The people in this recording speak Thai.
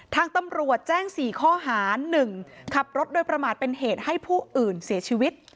ทางตำรวจแจ้ง๔ข้อหา๑ขับรถโดยประมาทเป็นเหตุให้ผู้อื่นเสียชีวิต